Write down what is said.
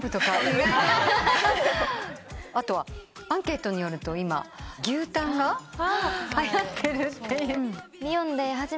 後はアンケートによると今牛タンがはやってる？